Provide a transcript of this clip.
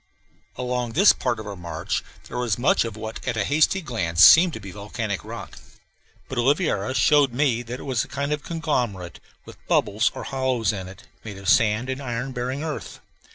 Along this part of our march there was much of what at a hasty glance seemed to be volcanic rock; but Oliveira showed me that it was a kind of conglomerate, with bubbles or hollows in it, made of sand and iron bearing earth.